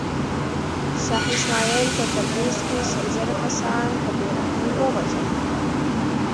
شاه اسماعیل په تبریز کې شل زره کسان په بې رحمۍ ووژل.